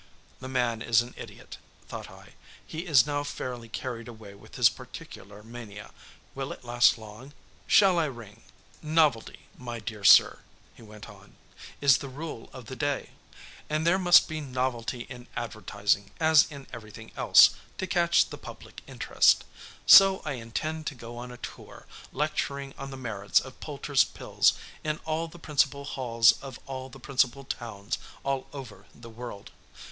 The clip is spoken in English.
The man is an idiot, thought I; he is now fairly carried away with his particular mania. Will it last long? Shall I ring? "Novelty, my dear sir," he went on, "is the rule of the day; and there must be novelty in advertising, as in everything else, to catch the public interest. So I intend to go on a tour, lecturing on the merits of Poulter's Pills in all the principal halls of all the principal towns all over the world.